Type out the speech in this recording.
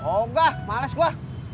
oh enggak males gue